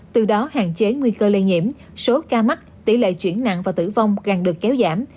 từ đó hạn chế nguy cơ lây nhiễm số ca mắc tỷ lệ chuyển nặng và tử vong càng được kéo giảm